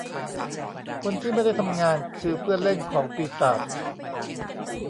คนที่ไม่ได้ทำงานคือเพื่อนเล่นของปีศาจ